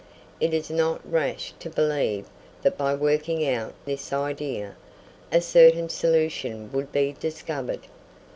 It is not rash to believe that by working out this idea, a certain solution would be discovered.